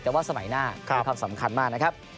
แต่ว่าสมัยหน้ามีความสำคัญมากนะครับ